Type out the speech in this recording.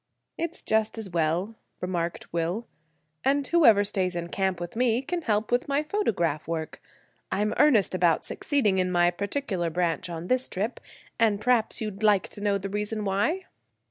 "It's just as well," remarked Will, "and whoever stays in camp with me can help with my photograph work. I'm in earnest about succeeding in my particular branch on this trip; and p'raps you'd like to know the reason why."